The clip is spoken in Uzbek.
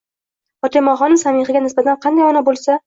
Fotimaxonim Samihaga nisbatan qanday ona bo'lsa